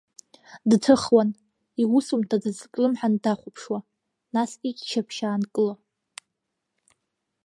Дҭыхуан, иусумҭа дазҿлымҳаны дахәаԥшуа, нас иччаԥшь аанкыло.